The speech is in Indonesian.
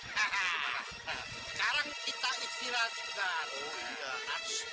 sekarang kita istirahatkan